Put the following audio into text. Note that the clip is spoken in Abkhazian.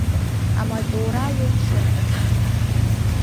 Амаҵура лылшомызт.